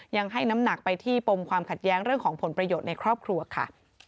ยังให้น้ำหนักไปที่ปมความขัดแย้งเรื่องของผลประโยชน์ในครอบครัวค่ะ